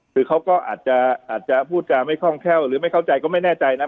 คือเขาก็อาจจะพูดจาไม่คล่องแคล่วหรือไม่เข้าใจก็ไม่แน่ใจนะ